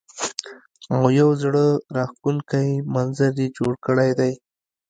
او يو زړۀ راښکونکے منظر يې جوړ کړے دے ـ